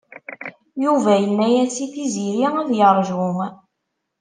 Yuba inna-yas i Tiziri ad yerju.